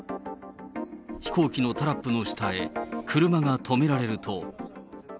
飛行機のタラップの下へ、車が止められると。